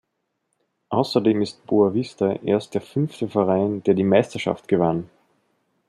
Außerdem ist Boavista erst der fünfte Verein, der die Meisterschaft gewann.